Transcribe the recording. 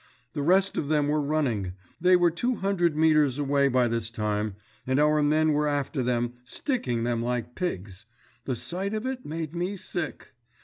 The rest of them were running; they were two hundred meters away by this time, and our men were after them, sticking them like pigs.... The sight of it made me sick....